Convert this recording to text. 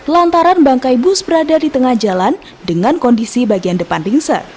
lantaran bangkai bus berada di tengah jalan dengan kondisi bagian depan ringse